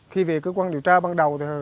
khi về cơ quan điều tra ban đầu